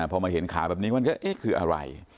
พอมาเห็นขาแบบนี้มันก็เอ๊ะคืออะไร